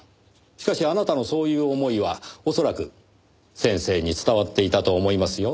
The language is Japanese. しかしあなたのそういう思いは恐らく先生に伝わっていたと思いますよ。